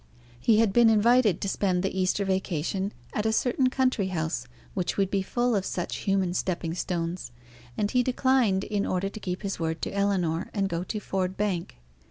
He had been invited to spend the Easter vacation at a certain country house which would be full of such human stepping stones; and he declined in order to keep his word to Ellinor, and go to Ford Bank.